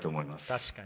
確かに。